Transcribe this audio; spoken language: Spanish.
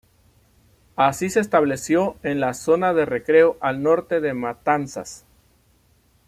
Así, se estableció en la zona de Recreo, al norte de Matanzas.